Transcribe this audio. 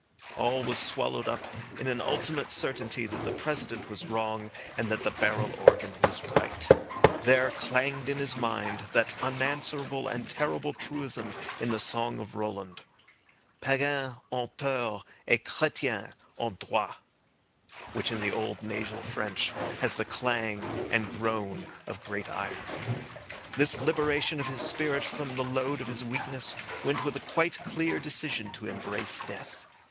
All was swallowed up in an ultimate certainty that the President was wrong and that the barrel organ was right. There clanged in his mind that unanswerable and terrible truism in the song of Roland— "Païens ont tort et Chrétiens ont droit," which in the old nasal French has the clang and groan of great iron. This liberation of his spirit from the load of his weakness went with a quite clear decision to embrace death.